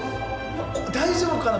大丈夫かな？